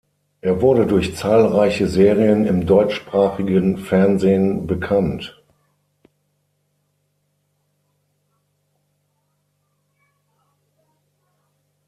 Er wurde durch zahlreiche Serien im deutschsprachigen Fernsehen bekannt.